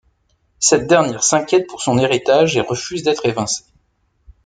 Cette dernière s'inquiète pour son héritage et refuse d'être évincée.